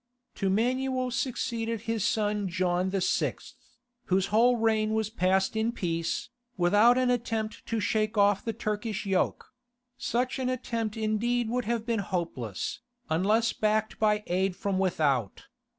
To Manuel succeeded his son John VI., whose whole reign was passed in peace, without an attempt to shake off the Turkish yoke; such an attempt indeed would have been hopeless, unless backed by aid from without.